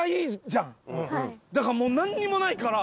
だからもう何にもないから。